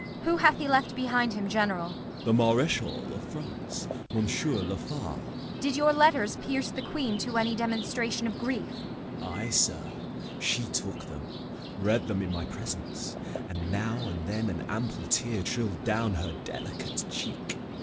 Kent. Who hath he left behind him general? Gent. The Marshal of France, Monsieur La Far. Kent. Did your letters pierce the Queen to any demonstration of grief? Gent. Ay, sir. She took them, read them in my presence, And now and then an ample tear trill'd down Her delicate cheek.